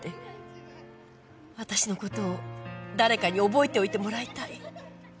私のことを誰かに覚えておいてもらいたい。